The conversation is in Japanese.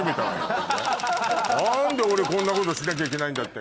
「何で俺こんなことしなきゃいけないんだ」って。